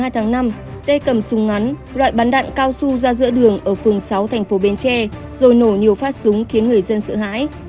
tê cầm súng ngắn loại bắn đạn cao su ra giữa đường ở phường sáu thành phố bến tre rồi nổ nhiều phát súng khiến người dân sợ hãi